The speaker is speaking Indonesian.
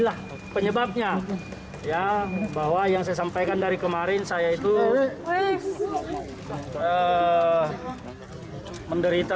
ferdinand juga mengatakan bahwa dia tidak menggunakan perangkat yang berbeda